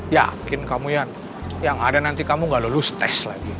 yakin kamu yang ada nanti kamu gak lulus tes lagi